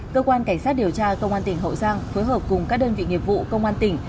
cơ quan cảnh sát điều tra công an tỉnh hậu giang phối hợp cùng các đơn vị nghiệp vụ công an tỉnh